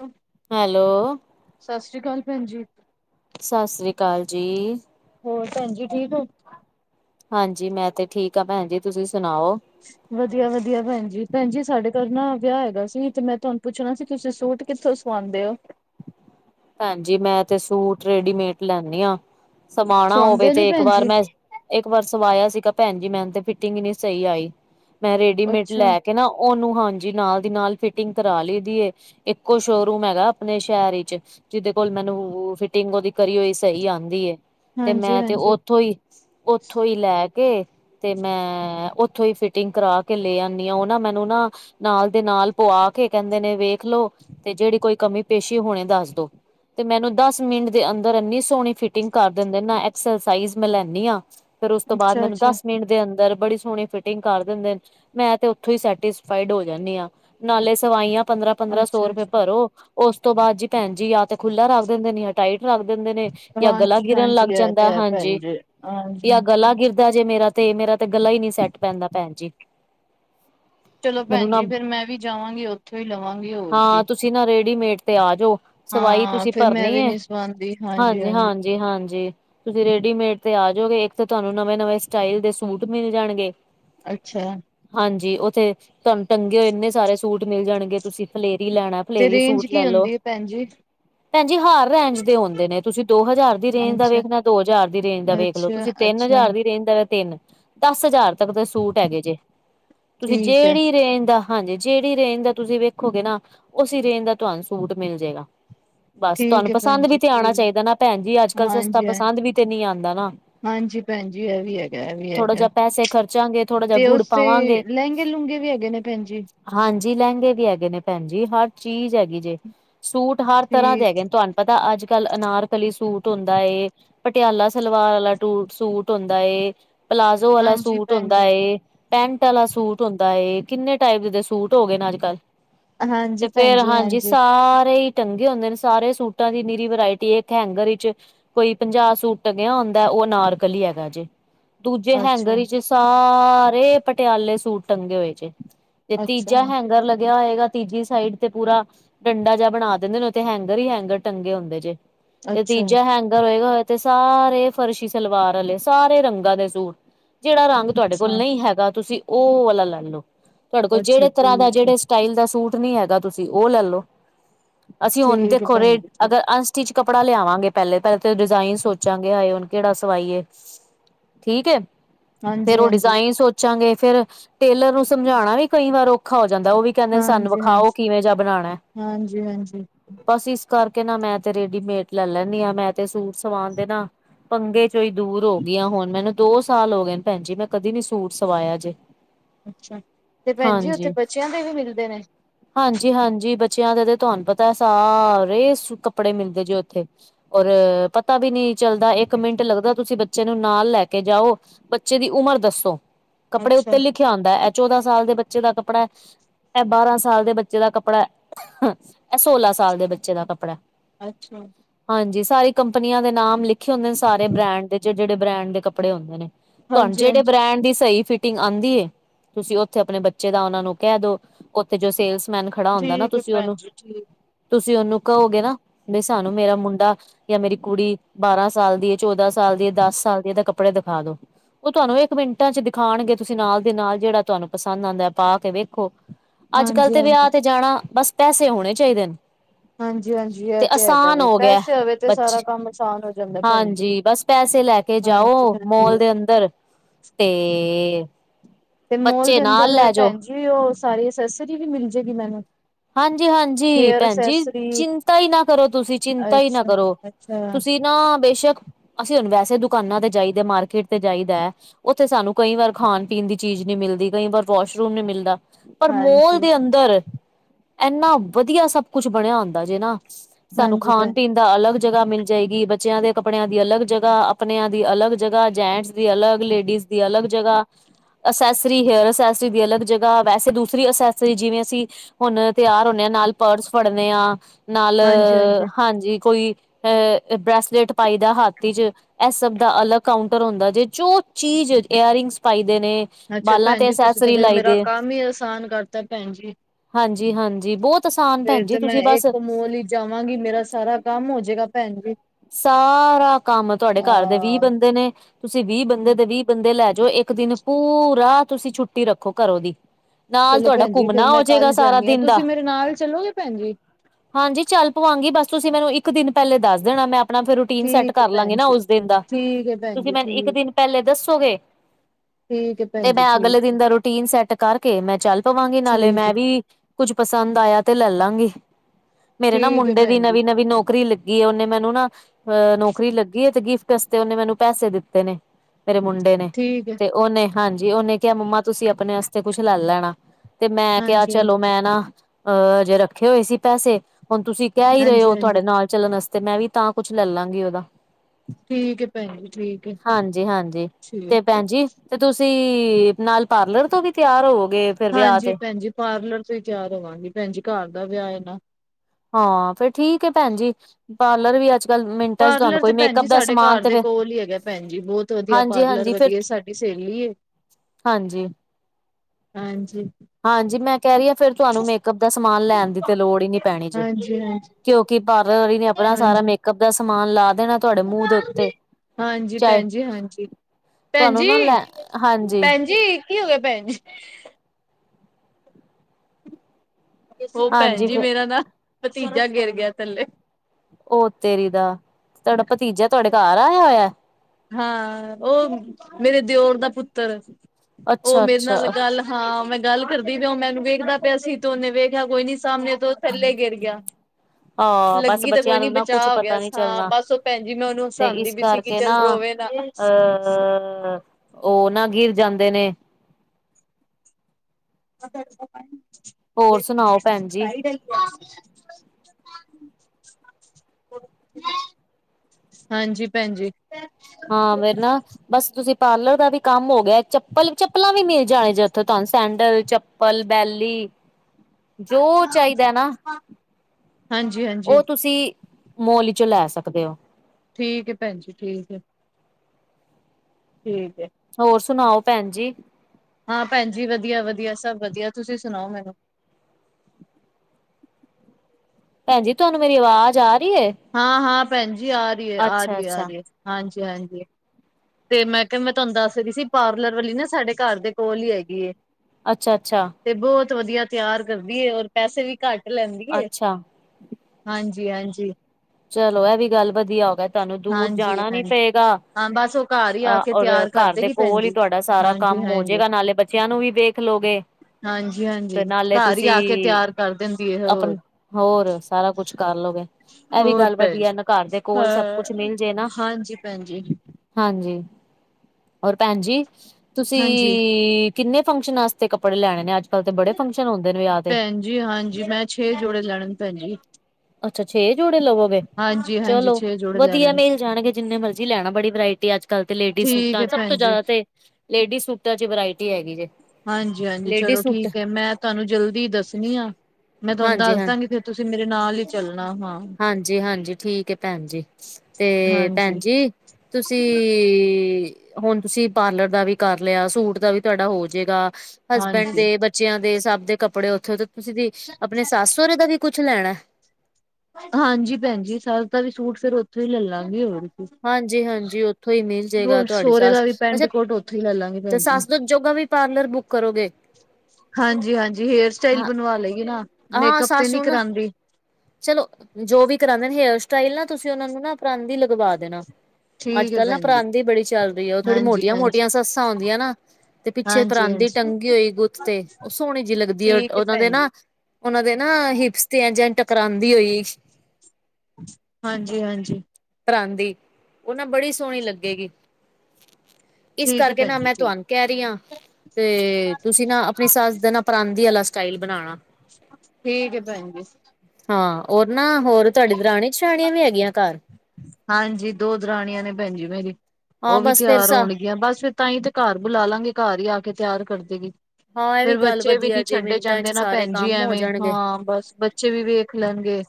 ਓ hello ਸਸ੍ਰੀ ਅਕਾਲ ਭੈਣਜੀ ਸਸ਼੍ਰੀ ਅਕਾਲ ਜੀ ਹੋਰ ਭੈਣਜੀ ਠੀਕ ਹੋ ਹਾਂਜੀ ਮੈਂ ਤਾਂ ਠੀਕ ਹਾਂ ਭੈਣ ਜੀ ਤੁਸੀਂ ਸੁਣਾਓ ਵਧੀਆ-ਵਧੀਆ ਭੈਣ ਜੀ। ਭੈਣ ਜੀ ਸਾਡੇ ਘਰ ਨਾ ਵਿਆਹ ਹੈਗਾ ਸੀ ਤੇ ਮੈਂ ਤਾਨੂੰ ਪੁੱਛਣਾ ਸੀ ਤੁਸੀਂ ਸੂਟ- ਕਿੱਥੇ ਸਵਾਉਂਦੇ ਔ? ਭੈਣਜੀ, ਮੈਂ ਤੇ ਸੂਟ ਰੇਡੀਮੇਡ ਲੈਦੀ ਆਂ। ਸਮਾਣਾ ਹੋਵੇ ਸਵਾਉਂਦੇ ਨੀ ਤੇ ਇੱਕ ਭੈਣ ਵਾਰ ਜੀ, ਮੈਂ- ਇੱਕ ਵਾਰ ਸਵਾਇਆ ਸੀਗਾ ਭੈਣ ਜੀ, ਮੈਨੂੰ ਤੇ ਫਿਟਿੰਗ ਨੀ ਸਹੀ ਆਈ, ਮੈਂ ਰੇਡੀਮੇਡ ਅੱਛਾ ਲੈਕੇ ਨਾ- ਉਹਨੂੰ ਹਾਂਜੀ ਨਾਲ ਦੀ ਨਾਲ ਫਿਟਿੰਗ ਕਰਾ ਲਈਦੀ ਏ। ਇੱਕੋ ਸ਼ੋਰੂਮ ਹੈਗਾ, ਆਪਣੇ ਸ਼ਹਿਰ ਵਿੱਚ। ਜਿਹਦੇ ਕੋਲ ਮੈਨੂੰ ਓ ਫਿਟਿੰਗ ਉਹਦੀ ਕਰੀ ਹੋਈ ਸਹੀ ਆਉਂਦੀ ਏ ਹਾਂਜੀ ਮੈਂ ਤੇ ਹਾਂਜੀ ਉੱਥੋਂ ਹੀ- ਉੱਥੋਂ ਹੀ ਲੈਕੇ ਤੇ ਮੈਂ ਉੱਥੋਂ ਹੀ ਫਿਟਿੰਗ ਕਰਾ ਕੇ ਲੇ ਆਉਣੀਆਂ। ਉਹ ਨਾ ਮੈਨੂੰ ਨਾ- ਨਾਲ ਦੇ ਨਾਲ ਪਵਾ ਕੇ ਕਹਿੰਦੇ ਨੇ ਵੇਖ ਲਓ ਤੇ ਜਿਹੜੀ ਕੋਈ ਕਮੀ ਪੇਸ਼ੀ ਹੁਣੇ ਦੱਸ ਦੋ। ਤੇ ਮੈਨੂੰ ਦਸ ਮਿੰਟ ਦੇ ਅੰਦਰ ਇੰਨੀ ਸੋਹਣੀ ਫਿਟਿੰਗ ਕਰ ਦਿੰਦੇ, ਮੈਂ ਅਕਸਲ ਸਾਈਜ਼ ਮੈਂ ਲੈਦੀ ਹਾਂ। ਫਿਰ ਉਸ ਤੋਂ ਬਾਅਦ ਅੱਛਾ ਮੈਨੂੰ ਅੱਛਾ। ਦਸ ਮਿੰਟ ਦੇ ਅੰਦਰ ਬੜੀ ਸੋਹਣੀ ਫਿਟਿੰਗ ਕਰ ਦਿੰਦੇ ਮੈਂ ਤਾਂ ਉੱਥੋਂ ਹੀ ਸੈਟਿਸਫਾਈਡ ਹੋ ਜਾਂਦੀ ਹਾਂ, ਨਾਲੇ ਸਵਾਈਆਂ- ਪੰਦਰਾਂ- ਪੰਦਰਾਂ ਸੌ ਅੱਛਾ ਰੁਪਏ ਅੱਛਾ, ਭਰੋ, ਉਸ ਤੋਂ ਬਾਅਦ ਜੀ ਭੈਣ ਜੀ ਯਾ ਤਾਂ ਖੁੱਲਾ ਰੱਖ ਦਿੰਦੇ ਨੇ ਟਾਈਟ ਰੱਖ ਦਿੰਦੇ ਨੇ ਜਾਂ ਗਲਾ ਹਾਂਜੀ ਗਿਰਨ ਹਾਂਜੀ ਲੱਗ ਇਹ ਤੇ ਜਾਂਦਾ ਹੈ ਹਾਂਜੀ, ਭੈਣ ਜੀ, ਜਾਂ ਗਲਾ ਹਾਂਜੀ। ਗਿਰ- ਜੇ ਮੇਰਾ ਤੇ ਮੇਰਾ ਤੇ ਗਲਾ ਹੀ ਨਹੀਂ ਸੈੱਟ ਬਹਿੰਦਾ, ਭੈਣ ਜੀ। ਚਲੋ, ਮੈਨੂੰ ਭੈਣ ਨਾ ਜੀ ਫਿਰ ਮੈਂ ਵੀ ਜਾਵਾਂਗੀ ਉੱਥੋਂ ਹੀ ਲਵਾਂਗੀ, ਹੋਰ ਹਾਂ ਕਿ। ਤੁਸੀਂ ਨਾ ਰੇਡੀਮੇਡ ਤੇ ਆ ਜਓ। ਸਵਾਈ ਹਾਂ ਤੁਸੀਂ ਫੇਰ ਮੈਂ ਵੀ ਭਰਨੀਏ, ਨੀ ਸਵਾਉਂਦੀ ਹਾਂਜੀ ਹਾਂਜੀ। ਹਾਂਜੀ-ਹਾਂਜੀ। ਜੇ ਹਾਂਜੀ। ਤੁਸੀਂ ਰੇਡੀਮੇਡ ਤੇ ਆ ਜਾਓਗੇ, ਇੱਕ ਤਾਂ ਤੁਹਾਨੂੰ ਨਵੇਂ- ਨਵੇਂ ਸਟਾਈਲ ਦੇ ਸੂਟ ਮਿਲ ਜਾਣਗੇ। ਅੱਛਾ, ਹਾਂਜੀ, ਉੱਥੇ ਤੁਹਾਨੂੰ ਟੰਗੇ ਹੋਏ ਇੰਨੇ ਸਾਰੇ ਸੂਟ ਮਿਲ ਜਾਣਗੇ ਤੁਸੀਂ ਫਲੇਰੀ ਲੈਣਾ- ਤੇ ਫਲੇਰੀ ਰੇਂਜ ਕੀ ਹੁੰਦੀ, ਭੈਣ ਜੀ? ਭੈਣਜੀ, ਹਾਰ ਰੇਂਜ ਦੇ ਹੁੰਦੇ ਨੇ, ਤੁਸੀਂ ਦੋ ਹਜ਼ਾਰ ਦੀ ਰੇਂਜ ਦਾ ਅੱਛਾ ਵੇਖਣਾ ਦੋ ਹਜ਼ਾਰ ਦੀ ਰੇਂਜ ਦਾ ਵੇਖ ਲੋ। ਅੱਛਾ ਤੁਸੀਂ- ਤਿੰਨ ਅੱਛਾ ਹਜ਼ਾਰ ਦੀ ਰੇਂਜ ਦਾ ਤਿੰਨ- ਦਸ ਹਜ਼ਾਰ ਤੱਕ ਦੇ ਸੂਟ ਹੈਗੇ ਜੇ। ਤੁਸੀਂ ਠੀਕ ਹੈ। ਜੇੜੀ ਰੇਂਜ ਦਾ- ਹਾਂਜੀ, ਜੇੜੀ ਰੇਂਜ ਦਾ ਤੁਸੀਂ ਵੇਖੋਗੇ ਨਾ ਉਸੀ ਰੇਂਜ ਦਾ ਤੁਹਾਨੂੰ ਸੂਟ ਮਿਲ ਜੇਗਾ। ਬਸ, ਠੀਕ ਤੁਹਾਨੂੰ ਹੈ ਭੈਣ ਪਸੰਦ ਵੀ ਜੀ ਤੇ ਆਣਾ ਠੀਕ ਚਾਹੀਦਾ ਨਾ ਭੈਣ ਜੀ ਅੱਜ-ਕੱਲ ਸਸਤਾ ਹਾਂਜੀ ਹਾਂਜੀ ਪਸੰਦ ਵੀ ਤੇ ਨਹੀਂ ਆਂਦਾ ਨਾ। ਹਾਂਜੀ, ਭੈਣਜੀ ਇਹ ਵੀ ਹੈਗਾ ਇਹ ਵੀ ਥੋੜਾ ਹੈਗਾ ਜਿਹਾ ਪੈਸੇ ਖਰਚਾਂਗੇ ਥੋੜਾ ਜਿਹਾ ਤੇ ਉਹ ਗੁੜ ਸੇ ਪਾਵਾਂਗੇ ਲਹਿੰਗੇ-ਲੂੰਹਗੇ ਵੀ ਹੈਗੇ ਨੇ ਭੈਣ ਜੀ? ਹਾਂਜੀ, ਲਹਿੰਗੇ ਵੀ ਹੈਗੇ ਨੇ ਭੈਣ ਜੀ। ਹਰ ਚੀਜ਼ ਹੈਗੀ ਜੇ। ਸੂਟ ਹਾ- ਹਰ ਤਰ੍ਹਾਂ ਦੇ ਠੀਕ ਹੈਗੇ ਤੁਹਾਨੂੰ ਪਤਾ ਅੱਜ-ਕੱਲ ਅਨਾਰਕਲੀ ਸੂਟ ਹੁੰਦਾ ਏ- ਪਟਿਆਲਾ ਸਲਵਾਰ ਵਾਲਾ ਟੂਰ ਸੂਟ ਹੁੰਦਾਏ, ਪਲਾਜ਼ੋ ਵਾਲਾ ਹਾਂਜੀ ਸੂਟ ਭੈਣ ਜੀ ਹੁੰਦਾਏ ਪੈਂਟ ਆਲਾ ਸੂਟ ਹੁੰਦਾ ਏ, ਕਿੰਨੇ ਟਾਈਪ ਦੇ ਸੂਟ ਹੋ ਗਏ ਨੇ ਅੱਜ-ਕੱਲ। ਹਾਂਜੀ ਤੇ ਭੈਣ ਫਿਰ ਜੀ ਹਾਂਜੀ ਸਾਰੇ ਹੀ- ਵਧੀਆ ਹੁੰਦੇ ਨੇ ਸਾਰੇ ਸੂਟਾਂ ਦੀ ਨੀਰੀ ਵਰਾਇਟੀ ਇੱਕ ਹੈਂਗਰ ਵਿੱਚ ਕੋਈ ਪੰਜਾਹ ਸੂਟ ਟੰਗਿਆ ਹੁੰਦਾ, ਉਹ ਅਨਾਰਕਲੀ ਹੈਗਾ ਜੇ। ਦੂਜੇ ਅੱਛਾ ਹੈਂਗਰ ਵਿੱਚ ਸਾਰੇ ਪਟਿਆਲੇ ਸੂਟ ਟੰਗੇ ਹੋਏ ਜੇ। ਤੇ ਅੱਛਾ ਤੀਜਾ ਹੈਂਗਰ ਲੱਗਿਆ ਹੋਏਗਾ ਤੀਜੀ ਸਾਈਡ ਤੇ ਪੂਰਾ ਡੰਡਾ ਜਿਹਾ ਬਣਾ ਦਿੰਦੇ ਨੇ- ਤੇ ਹੈਂਗਰ ਹੀ ਹੈਂਗਰ ਟੰਗੇ ਹੁੰਦੇ ਜੇ, ਤੇ ਅੱਛਾ ਤੀਜਾ ਹੈਂਗਰ ਹੋਏਗਾ- ਤੇ ਸਾਰੇ ਫਰਸ਼ੀ ਸਲਵਾਰ ਵਾਲੇ, ਸਾਰੇ ਰੰਗਾਂ ਦੇ ਸੂਟ- ਜੇਹੜਾ ਰੰਗ ਤੁਹਾਡੇ ਕੋਲ ਅੱਛਾ ਨਹੀਂ ਹੈਗਾ, ਤੁਸੀਂ ਉਹ ਵਾਲਾ ਲੈ ਲਓ- ਤੁਹਾਡੇ ਕੋਲ ਅੱਛਾ ਜਿਹੜੇ ਤਰ੍ਹਾਂ ਦਾ ਠੀਕ ਹੈ ਜਿਹੜੇ ਸਟਾਈਲ ਦਾ ਸੂਟ ਨੀ ਹੈਗਾ ਤੁਸੀਂ ਉਹ ਲੈ ਲਓ। ਅਸੀਂ ਹੁਣ ਠੀਕ ਹੈ ਦੇਖੋ ਭੈਣ ਰੇਟ ਜੀ ਠੀਕ ਅਗਰ ਅਸ - ਅਨਸਟਿਚ ਕੱਪੜਾ ਲਿਆਵਾਂਗੇ ਪਹਿਲੇ, ਪਹਿਲੇ ਤੇ ਡਿਜ਼ਾਇਨ ਸੋਚਾਂਗੇ ਹਾਏ ਹੁਣ ਕਿਹੜਾ ਸਵਾਈ ਏ ਠੀਕ ਹੈ ਹਾਂਜੀ ਫਿਰ ਉਹ ਹਾਂਜੀ ਡਿਜ਼ਾਇਨ ਸੋਚਾਂਗੇ, ਫੇਰ ਟੇਲਰ ਨੂੰ ਸਮਝਾਉਣਾ ਵੀ ਕਈ ਵਾਰ ਔਖਾ ਹੋ ਜਾਂਦਾ। ਉਹ ਵੀ ਕਹਿੰਦੇ ਸਾਨੂੰ ਹਾਂਜੀ ਵਿਖਾਓ ਹਾਂਜੀ ਕਿਵੇਂ ਜਿਹਾ ਬਣਾਉਣਾ। ਹਾਂਜੀ -ਹਾਂਜੀ। ਬਸ, ਇਸ ਕਰਕੇ ਨਾ ਮੈਂ ਤੇ ਰੇਡੀਮੇਡ ਲੈ ਲੈਣੀ ਆਂ। ਮੈਂ ਤੇ ਸੂਟ ਸਵਾਉਣ ਦੇ ਨਾ- ਪੰਗੇ 'ਚੋਂ ਹੀ ਦੂਰ ਹੋ ਗਈ ਹੁਣ ਮੈਨੂੰ ਦੋ ਸਾਲ ਹੋ ਗਏ ਨੇ ਭੈਣ ਜੀ ਮੈਂ ਕਦੀ ਨੀ ਸੂਟ ਸਵਾਇਆ ਜੇ ਅੱਛਾ, ਤੇ ਭੈਣਜੀ ਉੱਥੇ ਬੱਚਿਆਂ ਦੇ ਵੀ ਮਿਲਦੇ ਨੇ ਹਾਂਜੀ ਹਾਂਜੀ ਬੱਚਿਆਂ ਦੇ ਤੇ ਤੁਹਾਨੂੰ ਪਤਾ ਸਾਰੇ ਸੂ ਕੱਪੜੇ ਮਿਲਦੇ ਜੇ ਉੱਥੇ, ਔਰ ਪ ਪਤਾ ਵੀ ਨਹੀਂ ਚੱਲਦਾ ਇੱਕ ਮਿੰਟ ਲੱਗਦਾ ਤੁਸੀਂ ਬੱਚ ਬੱਚੇ ਨੂੰ ਨਾਲ ਲੈ ਕੇ ਜਾਓ, ਬੱਚੇ ਦੀ ਉਮਰ ਦੱਸੋ, ਕੱਪੜੇ ਉੱਤੇ ਅੱਛਾ ਲਿਖ ਲਿਖਿਆ ਆਉਦਾ ਐਹ ਚੌਦਾਂ ਸਾਲ ਦੇ ਬੱਚੇ ਦਾ ਕੱਪੜਾ, ਐਹ ਬਾਰਾਂ ਸਾਲ ਦੇ ਬੱਚੇ ਦਾ ਕੱਪੜਾ ਐਹ ਸੋਲਾਂ ਸਾਲ ਦੇ ਬੱਚੇ ਦਾ ਕੱਪੜਾ ਅੱਛਾ ਹਾਂਜੀ ਸਾਰੀ ਕੰਪਨੀਆਂ ਦੇ ਨਾਮ ਲਿਖੇ ਹੁੰਦੇ ਨੇ ਸਾਰੇ ਬ੍ਰਾਂਡ ਦੇ ਜਿਹੜੇ ਬ੍ਰਾਂਡ ਦੇ ਕੱਪੜੇ ਹੁੰਦੇ ਨੇ ਤਾਨੂੰ ਹਾਂਜੀ ਜਿਹੜੇ ਹਾਂਜੀ ਬ੍ਰਾਂਡ ਦੀ ਸਹੀ ਫਿਟ ਫਿਟਿੰਗ ਆਂਦੀ ਏ, ਤੁਸੀਂ ਉੱਥੇ ਆਪਣੇ ਬੱਚੇ ਦਾ ਉਹਨਾ ਨੂੰ ਕਹਿ ਦੋ ਉੱਥੇ ਜੋ ਸੇਲਸ ਮੇਨ ਖੜਾ ਹੁੰਦਾ ਨਾ ਠੀਕ ਹੈ ਤੁਸੀਂ ਭੈਣ ਉਹਨੂੰ ਜੀ ਠੀਕ ਤੁਸੀਂ ਉਹਨੂੰ ਕਹੋਗੇ ਨਾ ਬਈ ਸਾਨੂੰ ਮੇਰਾ ਮੁੰਡਾ ਜਾਂ ਮੇਰੀ ਕੁੜੀ ਬਾਰਾਂ ਸਾਲ ਦੀ ਹੈ ਚੌਦਾਂ ਸਾਲ ਦੀ ਹੈ ਦਸ ਸਾਲ ਦੀਏ ਤਾਂ ਕੱਪੜੇ ਦਿਖਾ ਦੋ ਉਹ ਤੁਹਾਨੂੰ ਇੱਕ ਮਿੰਟਾਂ ਚ ਦਿਖਾਣਗੇ ਤੁਸੀਂ ਨਾਲ ਦੀ ਨਾਲ ਜਿਹੜਾ ਤੁਹਾਨੂੰ ਪਸੰਦ ਆਂਦਾ ਪਾ ਕੇ ਵੇਖੋ ਅੱਜ ਕੱਲ੍ਹ ਹਾਂਜੀ ਤੇ ਹਾਂਜੀ ਵਿਆਹ ਤੇ ਜਾਣਾ ਬਸ ਪੈਸੇ ਹੋਣੇ ਚਾਹੀਦੇ ਨੇ ਹਾਂਜੀ ਹਾਂਜੀ ਇਹ ਤੇ ਹੈਗਾ ਆਸਾਨ ਵੇ ਹੋ ਗਿਆ ਪੈਸੇ ਹੋਵੇ ਤੇ ਬੱਚੇ ਸਾਰਾ ਕੰਮ ਆਸਾਨ ਹੋ ਜਾਂਦਾ ਭੈਣ ਜੀ ਹਾਂਜੀ ਬਸ ਪੈਸੇ ਲੈ ਕੇ ਹਾਂਜੀ ਜਾਓ ਮੋਲ ਹਾਂਜੀ। ਦੇ ਅੰਦਰ ਤੇ ਬੱਚੇ ਨਾਲ ਲੈ ਜੋ ਕਿ ਉਹ ਸਾਰੀ ਅਸੈਸਰੀ ਵੀ ਮਿਲ ਜੇਗੀ ਮੈਨੂੰ ਹਾਂਜੀ ਹਾਂਜੀ ਹੇਅਰ ਭੈਣ ਜੀ ਅਸੈਸਰੀ ਚਿੰਤਾ ਹੀ ਨਾ ਕਰੋ ਤੁਸੀਂ ਚਿੰਤਾ ਹੀ ਨਾ ਅੱਛਾ ਕਰੋ ਅੱਛਾ। ਤੁਸੀਂ ਨਾ ਬੇਸ਼ੱਕ ਅਸੀਂ ਹੁਣ ਵੈਸੇ ਦੁਕਾਨਾਂ ਤੇ ਜਾਈਦਾ ਹੈ ਮਾਰਕੀਟ ਤੇ ਜਾਈਦਾ ਹੈ ਉੱਥੇ ਸਾਨੂੰ ਕਈ ਵਾਰ ਖਾਣ ਪੀਣ ਦੀ ਚੀਜ਼ ਨਹੀਂ ਮਿਲਦੀ ਕਈ ਵਾਰ ਵਾਸ਼ਰੂਮ ਨੀ ਮਿਲਦਾ ਪਰ ਮੋਲ ਹਾਂਜੀ ਦੇ ਅੰਦਰ ਇੰਨਾ ਵਧੀਆ ਸਭ ਕੁਛ ਬਣਿਆ ਹੁੰਦਾ ਜੇ ਨਾ ਸਾਨੂੰ ਹਾਂਜੀ ਖਾਣ ਭੈਣ ਪੀਣ ਦਾ ਅਲੱਗ ਜਗ੍ਹਾ ਮਿਲ ਜਾਏਗੀ ਬੱਚਿਆਂ ਦੇ ਕੱਪੜਿਆਂ ਦੀ ਅਲੱਗ ਜਗ੍ਹਾ ਆਪਣਿਆਂ ਦੀ ਅਲੱਗ ਜਗ੍ਹਾ ਜੈਂਟਸ ਦੀ ਅਲੱਗ ਲੇਡੀਜ਼ ਦੀ ਅਲੱਗ ਜਗ੍ਹਾ ਅਸੈਸਰੀ ਹੇਅਰ ਅਸੇਸਰੀ ਦੀ ਅਲੱਗ ਜਗ੍ਹਾ ਵੈਸੇ ਦੂਸਰੀ ਅਸੇਸਰੀ ਜਿਵੇਂ ਅਸੀਂ ਹੁਣ ਤਿਆਰ ਹੁਂਦੇ ਆ ਨਾਲ ਪਰਸ ਫੜ ਨੇ ਆ ਨਾਲ ਹਾਂਜੀ ਕੋਈ ਅ ਬ੍ਰੈਸਲੇਟ ਪਾਈ ਦਾ ਹੱਥ ਏਚ ਇਹ ਸਭ ਦਾ ਅਲੱਗ ਕਾਉਂਟਰ ਹੁੰਦਾ ਜੇ ਜੋ ਚੀਜ਼ ਏਅਰ ਰਿੰਗਸ ਪਾਈਦੇ ਨੇ ਅੱਛਾ ਬਾਲਾਂ ਭੈਣ ਤੇ ਜੀ ਤੁਸੀਂ ਤਾਂ ਅਸੈਸਰੀ ਫੇਰ ਲਾਈ ਮੇਰਾ ਦੇ ਕੰਮ ਹੀ ਆਸਾਨ ਕਰਤਾ ਭੈਣ ਜੀ ਜੀ ਹਾਂਜੀ ਬਹੁਤ ਆਸਾਨ ਫੇਰ ਭੈਣ ਤੇ ਜੀ ਮੈਂ ਤੁਸੀਂ ਇਕ ਬਸ ਮੋਲ ਹੀ ਜਾਵਾਂਗੀ ਮੇਰਾ ਸਾਰਾ ਕੰਮ ਹੋਜੇਗਾ ਭੈਣ ਜੀ ਸਾਰਾ ਕੰਮ ਤੁਹਾਡੇ ਘਰ ਦੇ ਵੀਹ ਹਾਂ ਬੰਦੇ ਨੇ ਤੁਸੀਂ ਵੀਹ ਬੰਦੇ ਦੇ ਵੀਹ ਬੰਦੇ ਲੈ ਜਾਓ ਇੱਕ ਦਿਨ ਪੂਰਾ ਤੁਸੀਂ ਛੁੱਟੀ ਰੱਖੋ ਘਰੋਂ ਦੀ ਨਾਲ ਚਲੋ ਤੁਹਾਡਾ ਭੈਣ ਜੀ ਫੇਰ ਘੁੰਮਣਾ ਮੈਂ ਹੋ ਜਾਏਗਾ ਕੱਲ ਸਾਰਾ ਜਾਂਦੀ ਹਾਂ ਦਿਨ ਦਾ ਤੁਸੀਂ ਮੇਰੇ ਨਾਲ ਚਲੋਗੇ ਭੈਣ ਜੀ ਹਾਂਜੀ ਚੱਲ ਪਵਾਂਗੀ ਬਸ ਤੁਸੀਂ ਮੈਨੂੰ ਇੱਕ ਦਿਨ ਪਹਿਲੇ ਦੱਸ ਦੇਣਾ ਮੈਂ ਆਪਣਾ ਫਿਰ ਰੂਟੀਨ ਸੈੱਟ ਠੀਕ ਹੈ ਕਰ ਲਾਂਗੀ ਭੈਣ ਨਾ ਜੀ ਉਸ ਦਿਨ ਦਾ ਠੀਕ ਹੈ ਭੈਣ ਤੁਸੀਂ ਜੀ ਮੈਨੂੰ ਇੱਕ ਠੀਕ ਦਿਨ ਪਹਿਲੇ ਦੱਸੋਗੇ ਠੀਕ ਹੈ ਭੈਣ ਤੇ ਜੀ ਮੈਂ ਅਗਲੇ ਠੀਕ ਹੈ, ਦਿਨ ਦਾ ਰੂਟੀਨ ਸੈਟ ਕਰਕੇ ਮੈਂ ਚੱਲ ਪਵਾਂਗੀ ਨਾਲੇ ਠੀਕ ਹੈ ਮੈਂ ਵੀ ਕੁੱਝ ਪਸੰਦ ਆਇਆ ਤੇ ਲੈ ਲਾਂਗੀ ਮੇਰੇ ਨਾ ਠੀਕ ਹੈ ਮੁੰਡੇ ਦੀ ਭੈਣ ਜੀ ਨਵੀਂ ਨਵੀਂ ਨੌਕਰੀ ਲਗੀ ਲੱਗੀ ਏ ਉਹਨੇ ਮੈਨੂੰ ਨਾ ਅ ਨੌਕਰੀ ਲੱਗੀ ਹੈ ਤੇ ਗਿਫ ਅਸਤੇ ਉਹਨੇ ਮੈਨੂੰ ਪੈਸੇ ਦਿੱਤੇ ਨੇ ਮੇਰੇ ਮੁੰਡੇ ਨੇ ਠੀਕ ਏ ਤੇ ਉਹਨੇ ਹਾਂਜੀ ਉਹਨੇ ਕਿਹਾ ਮੰਮਾ ਤੁਸੀਂ ਆਪਣੇ ਆਸਤੇ ਕੁਛ ਲੈ ਲੈਣਾ ਤੇ ਮੈਂ ਕਿਹਾ ਹਾਂਜੀ ਹਾਂਜੀ ਚਲੋ ਮੈਂ ਨਾ ਅਜੇ ਰੱਖੇ ਹੋਏ ਸੀ ਪੈਸੇ ਹੁਣ ਤੁਸੀਂ ਕਹਿ ਹੀ ਰਹੇ ਹਾਂਜੀ ਹੋ ਹਾਂਜੀ ਤੁਹਾਡੇ ਨਾਲ ਚਲਣ ਆਸਤੇ ਮੈਂ ਵੀ ਤਾਂ ਕੁਛ ਲੈ ਲਾਂਗੀ ਉਹਦਾ ਠੀਕ ਹੈ ਭੈਣ ਜੀ ਠੀਕ ਹੈ ਹਾਂਜੀ-ਹਾਂਜੀ 'ਤੇ ਠੀਕ ਹੈ ਭੈਣ ਜੀ 'ਤੇ ਤੁਸੀਂ ਨਾਲ ਪਾਰਲਰ ਤੋਂ ਵੀ ਤਿਆਰ ਹੋਵੋ ਹਾਂਜੀ ਭੈਣਜੀ ਪਾਰਲਰ ਤੋਂ ਈ ਤਿਆਰ ਹੋਵਾਂਗੀ ਭੈਣ ਜੀ ਘਰ ਦਾ ਵਿਆਹ ਏ ਨਾ। ਹਾਂ ਫੇਰ ਠੀਕ ਏ ਭੈਣ ਜੀ ਪਾਰਲਰ ਵੀ ਅੱਜ ਕੱਲ ਮਿੰਟਾਂ ਚ ਤੁਹਾਨੂੰ ਪਾਰਲਰ 'ਤੇ ਕੋਈ ਭੈਣ ਮੇਕਅਪ ਜੀ ਦਾ ਸਾਡੇ ਸਮਾਨ ਘਰ ਤੇ ਦੇ ਫੇਰ ਕੋਲ ਈ ਹੈਗਾ ਭੈਣ ਜੀ ਬਹੁਤ ਵਧੀਆ ਪਾਰਲਰ ਹਾਂਜੀ-ਹਾਂਜੀ ਫਿਰ ਵਧੀਆ ਸਾਡੀ ਸੇਲੀ ਏ। ਹਾਂਜੀ। ਹਾਂਜੀ। ਹਾਂਜੀ ਮੈਂ ਕਹਿ ਰੀ ਆ ਫੇਰ ਤੁਹਾਨੂੰ ਮੇਕਅਪ ਦਾ ਸਮਾਨ ਲੈਣ ਦੀ 'ਤੇ ਲੋੜ ਈ ਨੀ ਪੈਣੀ ਜੇ। ਹਾਂਜੀ ਹਾਂਜੀ ਕਿਉਂਕਿ ਪਾਰਲਰ ਆਲੀ ਨੇ ਆਪਣਾ ਸਾਰਾ ਹਾਂਜੀ ਮੇਕਅੱਪ ਦਾ ਸਮਾਨ ਲਾ ਦੇਣਾ ਤੁਹਾਡੇ ਮੂੰਹ ਦੇ ਉੱਤੇ ਹਾਂਜੀ ਚਾਹੇ ਭੈਣ ਜੀ ਹਾਂਜੀ। ਭੈਣ ਤੁਹਾਨੂੰ ਜੀ, ਨਾ ਲੈ ਭੈਣ ਹਾਂਜੀ-ਹਾਂਜੀ ਜੀ ਕੀ ਹੋ ਗਿਆ ਭੈਣ ਜੀ ਉਹ ਭੈਣ ਜੀ ਫਿਰ ਮੇਰਾ ਨਾ ਭਤੀਜਾ ਗਿਰ ਗਿਆ ਥੱਲੇ। ਉਹ ਤੇਰੀ ਦਾ ਤੁਹਾਡਾ ਭਤੀਜਾ ਤੁਹਾਡੇ ਘਰ ਆਇਆ ਹੋਇਆ? ਹਾਂ ਉਹ ਮੇਰੇ ਦਿਓਰ ਦਾ ਪੁੱਤਰ, ਉਹ ਮੇਰੇ ਅੱਛਾ-ਅੱਛਾ ਨਾਲ ਗੱਲ ਹਾਂ ਮੈਂ ਗੱਲ ਕਰਦੀ ਪਈ ਤੇ ਉਹ ਮੈਨੂੰ ਵੇਖਦਾ ਪਿਆ ਸੀ 'ਤੇ ਉਹਨੇ ਵੇਖਿਆ ਕੋਈ ਨੀ ਸਾਮ੍ਹਣੇ ਤੋਂ ਥੱਲੇ ਗਿਰ ਗਿਆ। ਹਾਂ ਬਸ ਲੱਗੀ ਤਾਂ ਕੋਈ ਬੱਚਿਆਂ ਨੀ ਨੂੰ ਨਾ ਕੁੱਛ ਬਚਾਅ ਹੋ ਗਿਆ ਪਤਾ ਨੀ ਸਾਂ ਚੱਲਣਾ ਬਸ ਉਹ ਭੈਣ ਜੀ ਮੈਂ ਉਹਨੂੰ ਤੇ ਹਸਾਂਦੀ ਇਸ ਪਈ ਸੀਗੀ ਚੱਲ ਰੋਵੇ ਨਾ। ਹਾਂ। ਉਹ ਨਾ ਗਿਰ ਜਾਂਦੇ ਨੇ। [inaudible] ਹੋਰ ਸੁਣਾਓ ਭੈਣ ਜੀ? [inaudible] ਹਾਂਜੀ ਭੈਣਜੀ। ਹਾਂ ਫੇਰ ਨਾ ਬਸ ਤੁਸੀਂ ਪਾਰਲਰ ਦਾ ਵੀ ਕੰਮ ਹੋ ਗਿਆ ਚੱਪਲ, ਚੱਪਲਾਂ ਵੀ ਮਿਲ ਜਾਏ ਜਦ ਤੇ ਤੁਹਾਨੂੰ ਸੈਂਡਲ, ਚੱਪਲ, ਬੈਲੀ ਜੋ ਚਾਈਦਾ ਹੈ ਨਾ, ਹਾਂਜੀ-ਹਾਂਜੀ ਉਹ ਤੁਸੀਂ ਮੋਂਲ ਇਚੋ ਲੈ ਸਕਦੇ ਓ। ਠੀਕ ਏ ਭੈਣ ਜੀ ਠੀਕ ਏ। ਠੀਕ ਏ। ਹੋਰ ਸੁਣਾਓ ਭੈਣ ਜੀ? ਹਾਂ ਭੈਣ ਜੀ ਵਧੀਆ-ਵਧੀਆ ਸਭ ਵਧੀਆ ਤੁਸੀਂ ਸੁਣਾਓ ਮੈਨੂੰ। ਭੈਣਜੀ ਤੁਹਾਨੂੰ ਮੇਰੀ ਆਵਾਜ਼ ਆ ਰੀ ਏ? ਹਾਂ-ਹਾਂ ਭੈਣ ਜੀ ਆ ਰੀ ਏ, ਆ ਰੀ ਏ, ਆ ਅੱਛਾ ਰੀ ਹਾਂਜੀ ਆ ਰੀ ਏ 'ਤੇ ਮੈਂ ਕਿਹਾ ਮੈਂ ਤੁਹਾਨੂੰ ਦੱਸ ਰੀ ਸੀ ਪਾਰਲਰ ਵਾਲੀ ਨਾ ਸਾਡੇ ਘਰ ਦੇ ਕੋਲ ਈ ਹੈਗੀ ਏ। ਅੱਛਾ-ਅੱਛਾ। 'ਤੇ ਬਹੁਤ ਵਧੀਆ ਤਿਆਰ ਕਰਦੀ ਏ ਔਰ ਪੈਸੇ ਵੀ ਘੱਟ ਲੈਂਦੀ ਏ। ਅੱਛਾ ਹਾਂਜੀ-ਹਾਂਜੀ। ਚਲੋ ਇਹ ਵੀ ਗੱਲ ਵਧੀਆ ਹੋ ਗਿਆ ਤੁਹਾਨੂੰ ਦੂਰ ਜਾਣਾ ਨੀ ਹਾਂਜੀ-ਹਾਂਜੀ ਪਏਗਾ ਹਾਂ ਬਸ ਉਹ ਘਰ ਹੀ ਆ ਕੇ ਔਰ ਤਿਆਰ ਕਰ ਘਰ ਦੇ ਦੇਗੀ ਭੈਣ ਕੋਲ ਈ ਜੀ। ਤੁਹਾਡਾ ਸਾਰਾ ਕੰਮ ਹਾਂਜੀ-ਹਾਂਜੀ, ਹੋਜੇਗਾ ਨਾਲੇ ਬੱਚਿਆਂ ਨੂੰ ਵੀ ਦੇਖ ਲਉਗੇ। ਹਾਂਜੀ-ਹਾਂਜੀ ਘਰ ਈ ਆ ਕੇ ਤਿਆਰ ਕਰ ਦਿੰਦੀ ਏ ਹੋਰ। ਆਪਨ ਹੋਰ ਸਾਰਾ ਕੁਛ ਕਰ ਲਉਗੇ। ਇਹ ਵੀ ਹੋਰ ਗੱਲ ਭੈਣ ਵਧੀਆ ਜੀ, ਨਾ ਘਰ ਦੇ ਕੋਲ ਸਭ ਹਾਂ ਕੁਛ ਮਿਲ ਜੇ ਨਾ। ਹਾਂਜੀ ਭੈਣ ਜੀ, ਹਾਂਜੀ, ਔਰ ਭੈਣ ਜੀ ਹਾਂਜੀ। ਤੁਸੀਂ ਕਿੰਨੇ ਫੰਕਸ਼ਨ ਆਸਤੇ ਕੱਪੜੇ ਲੈ ਨੇ ਅੱਜ-ਕੱਲ੍ਹ 'ਤੇ ਬੜੇ ਫੰਕਸ਼ਨ ਹੁੰਦੇ ਨੇ ਵਿਆਹ ਤੇ। ਭੈਣ ਜੀ ਹਾਂਜੀ ਮੈਂ ਛੇ ਜੋੜੇ ਲੈਣੇ ਨੇ ਭੈਣ ਜੀ। ਅੱਛਾ ਛੇ ਜੋੜੇ ਲਵੋਗੇ ਹਾਂਜੀ-ਹਾਂਜੀ ਚਲੋ ਛੇ ਜੋੜੇ ਲੈਣੇ ਨੇ। ਵਧੀਆ ਮਿਲ ਜਾਣਗੇ ਜਿੰਨੇ ਮਰ ਜੀ ਲੈਣਾ ਬੜੀ ਵਰਾਇਟੀ ਅੱਜ ਕੱਲ 'ਤੇ ਲੇਡੀਜ਼ ਠੀਕ ਸੂਟਾਂ ਹੈ ਚ ਸਭ ਤੋਂ ਭੈਣ ਜੀ ਜ਼ਿਆਦਾ 'ਤੇ ਲੇਡੀਜ਼ ਸੂਟਾਂ 'ਚ ਵਰਾਇਟੀ ਹੈਗੀ ਜੇ। ਹਾਂਜੀ-ਹਾਂਜੀ ਲੇਡੀਜ਼ ਚਲੋ ਸੂਟ ਠੀਕ ਏ। ਤੁਹਾਨੂੰ ਜਲਦੀ ਦੱਸਣੀ ਆ ਮੈਂ ਤੁਹਾਨੂੰ ਹਾਂਜੀ ਹਾਂ ਦੱਸਦਾਂਗੀ ਫੇਰ ਤੁਸੀਂ ਮੇਰੇ ਨਾਲ ਹੀ ਚੱਲਣਾ ਹਾਂ ਹਾਂਜੀ ਹਾਂਜੀ ਠੀਕ ਏ ਭੈਣ ਜੀ ਤੇ ਭੈਣ ਹਾਂਜੀ ਜੀ ਤੁਸੀਂ ਹੁਣ ਤੁਸੀਂ ਪਾਰਲਰ ਦਾ ਵੀ ਕਰ ਲਿਆ ਸੂਟ ਦਾ ਵੀ ਤੁਹਾਡਾ ਹੋਜੇਗਾ ਹਸਬੈਂਡ ਹਾਂਜੀ ਦੇ ਬੱਚਿਆਂ ਦੇ ਸਭ ਦੇ ਕੱਪੜੇ ਉੱਥੋਂ ਤੇ ਤੁਸੀਂ ਵੀ ਆਪਣੇ ਸੱਸ ਸੋਹਰੇ ਦਾ ਵੀ ਕੁੱਛ ਲੈਣਾ ਹਾਂਜੀ, ਭੈਣਜੀ ਸੱਸ ਦਾ ਵੀ ਸੂਟ ਫੇਰ ਓਥੋਂ ਈ ਲੈ ਲਾਂਗੀ ਹੋਰ। ਕੀ ਹਾਂਜੀ-ਹਾਂਜੀ, ਓਥੋਂ ਈ ਮਿਲ ਜੇਗਾ, ਹੋਰ ਤੁਆਡੀ ਸਹੁਰੇ ਦਾ ਸੱਸ ਵੀ ਪੈਂਟ ਅੱਛਾ ਕੋਟ ਉੱਥੋਂ ਹੀ ਲੈ ਲਾਂਗੇ ਤੇ ਭੈਣ ਜੀ ਸੱਸ ਦਾ ਜੋਗਾ ਵੀ ਪਾਰਲਰ ਬੁੱਕ ਕਰੋਗੇ। ਹਾਂਜੀ-ਹਾਂਜੀ, ਹੇਅਰ ਸਟਾਈਲ ਹਾਂ ਬਣਵਾ ਲਏਗੀ ਨਾ। ਹਾਂ, ਮੇਕਅਪ ਤੇ ਸੱਸ ਨੀ ਹੁਣ ਕਰਾਂਦੀ ਚਲੋ, ਜੋ ਵੀ ਕਰਾਂਦੇ ਨੇ, ਹੇਅਰ ਸਟਾਈਲ ਨਾ ਤੁਸੀਂ ਓਨਾ ਨੂੰ ਨਾ ਪਰਾਂਦੀ ਲਗਵਾ ਦੇਣਾ। ਠੀਕ ਹੈ ਅੱਜਕੱਲ ਨਾ ਭੈਣ ਜੀ ਪਰਾਂਦੀ ਬੜੀ ਚੱਲਦੀ ਐ ਓ ਥੋੜ੍ਹੀ ਹਾਂਜੀ ਹਾਂਜੀ ਮੋਟੀਆਂ-ਮੋਟੀਆਂ ਸੱਸਾਂ ਹੁੰਦੀਆਂ ਨਾ। ਤੇ ਪਿੱਛੇ ਹਾਂਜੀ ਪਰਾਂਦੀ ਹਾਂਜੀ ਟੰਗੀ ਹੋਈ ਗੁੱਤ ਤੇ ਓ ਸੋਹਣੀ ਜੀ ਲੱਗਦੀ ਐ, ਠੀਕ ਹੈ ਓਨਾਂ ਦੇ ਭੈਣ ਨਾ ਜੀ ਓਹਨਾਂ ਦੇ ਨਾ ਹਿਪਸ ਤੇ ਐਜਂ-ਐਨ ਟਕਰਾਂਦੀ ਹੋਈ। ਹਾਂਜੀ-ਹਾਂਜੀ। ਪਰਾਂਦੀ ਓ ਨਾ ਬੜੀ ਸੋਣੀ ਲੱਗੇਗੀ। ਇਸ ਠੀਕ ਹੈ ਕਰਕੇ ਭੈਣ ਨਾ, ਜੀ ਮੈਂ ਠੀਕ ਤੁਆਨੂੰ ਕੈ ਰੀ ਆਂ ਤੇ ਤੁਸੀਂ ਨਾ ਆਪਣੀ ਸੱਸ ਦੇ ਨਾ ਪਰਾਂਦੀ ਆਲਾ ਸਟਾਈਲ ਬਨਾਣਾ। ਠੀਕ ਏ, ਭੈਣ ਜੀ। ਹਾਂ, ਔਰ ਨਾ ਹੋਰ ਤੁਆਡੀ ਦਰਾਣੀ ਜਠਾਣੀਆਂ ਵੀ ਹੈਗੀਆਂ, ਘਰ ਹਾਂਜੀ, ਦੋ ਦਰਾਣੀਆਂ ਨੇ ਭੈਣ ਜੀ, ਮੇਰੀ ਹਾਂ ਓ ਵੀ ਬਸ ਫੇਰ ਤਿਆਰ ਸ ਹੋਣਗੀਆਂ। ਬਸ ਫੇ ਤਾਂ ਈ ਤੇ ਘਰ ਬੁਲਾ ਲਾਂਗੇ ਘਰ ਈ ਆ ਕੇ ਤਿਆਰ ਕਰ ਦੇਗੀ। ਹਾਂ ਇਹ ਵੀ ਫੇਰ ਗੱਲ ਬੱਚੇ ਵੀ ਵਧੀਆ ਨੀ ਜੇ ਛੱਡੇ ਮਿੰਟਾਂ ਚ ਜਾਂਦੇ ਨਾ ਸਾਰੇ ਭੈਣ ਜੀ ਕੰਮ ਹੋ ਐਵੇਂ, ਜਾਣਗੇ ਹਾਂ ਬਸ ਫੇ ਬੱਚੇ ਵੀ ਵੇਖ ਲੈਣਗੇ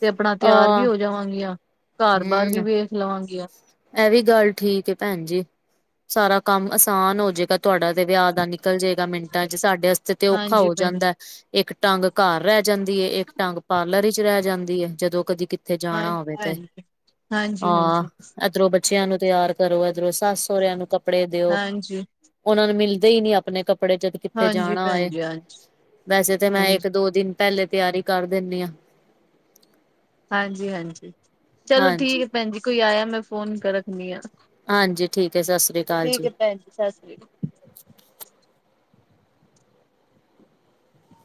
ਤੇ ਅਪਣਾ ਅ ਤਿਆਰ ਵੀ ਹੋ ਜਾਵਾਂਗੀਆਂ। ਘਰ-ਬਾਰ ਵੀ ਵੇਖ ਲਵਾਂਗੀਆਂ। ਐ ਵੀ ਗੱਲ ਠੀਕ ਐ, ਭੈਣ ਜੀ। ਸਾਰਾ ਕੰਮ ਆਸਾਨ ਹੋਜੇਗਾ, ਤੁਆਡਾ ਤੇ ਵਿਆਹ ਦਾ, ਨਿ ਚਲ ਜੇਗਾ ਮਿੰਟਾਂ ਚ, ਸਾਡੇ ਆਸਤੇ ਤੇ ਔਖਾ ਹਾਂਜੀ ਹੋ ਭੈਣ ਜੀ ਜਾਂਦਾ। ਇੱਕ ਟੰਗ ਘਰ ਰੈ ਜਾਂਦੀ ਏ, ਇੱਕ ਟੰਗ ਪਾਰਲਰ 'ਚ ਰੈ ਜਾਂਦੀ ਏ, ਜਦੋਂ ਕਦੀ ਕ ਕਿਤੇ ਜਾਣਾ ਹਾਂਜੀ ਹੋਵੇ ਤੇ, ਭੈਣ ਜੀ। ਹਾਂਜੀ ਆ। ਹਾਂਜੀ ਏਧਰੋਂ ਬੱਚੇਆਂ ਨੂੰ ਤਿਆਰ ਕਰੋ, ਏਧਰੋਂ ਸੱਸ ਸੋਰਿਆਂ ਨੂੰ ਕੱਪੜੇ ਦਿਓ। ਹਾਂਜੀ ਓਨਾਂ ਨੂੰ ਮਿਲਦੇ ਈ ਨੀ, ਆਪਣੇ ਕੱਪੜੇ ਜਦ ਕਿੱਥੇ ਹਾਂਜੀ ਜਾਣਾ ਭੈਣ ਹੋਏ ਜੀ ਹਾਂਜੀ ਵੈਸੇ ਤੇ ਮੈਂ ਹਾਂਜੀ। ਇੱਕ, ਦੋ ਦਿਨ ਪੈਲੇ ਤਿਆਰੀ ਕਰ ਦਿਨੀ ਆ। ਹਾਂਜੀ-ਹਾਂਜੀ, ਚਲੋ ਠੀਕ ਹਾਂਜੀ ਐ ਭੈਣ ਜੀ, ਕੋਈ ਆਇਆ, ਮੈਂ ਫੋਨ ਕ ਰੱਖਣੀ ਆ। ਹਾਂਜੀ ਠੀਕ ਹੈ ਸਤਿ ਸ੍ਰੀ ਅਕਾਲ ਠੀਕ ਐ ਭੈਣ ਜੀ, ਸਸ ਸ੍ਰੀ ਅਕਾਲ।